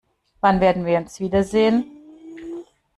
Wann werden wir uns wiedersehen?